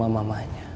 emang rumah mamanya